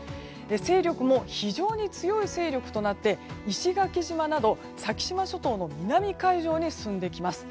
勢力も、非常に強い勢力となって石垣島など先島諸島の南海上に進んできます。